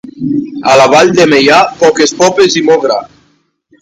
A la vall de Meià, poques popes i molt gra.